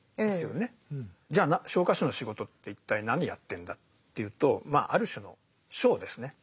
じゃ昇火士の仕事って一体何やってんだっていうとまあある種のショーですね。